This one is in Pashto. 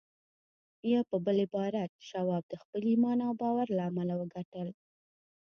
يا په بل عبارت شواب د خپل ايمان او باور له امله وګټل.